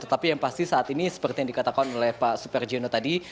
tetapi yang pasti saat ini seperti yang dikatakan oleh pak suparjiono tadi